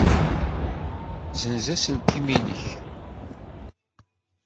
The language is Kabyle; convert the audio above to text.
Ssenz aselkim-nnek.